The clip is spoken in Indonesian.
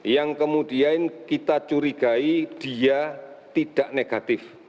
yang kemudian kita curigai dia tidak negatif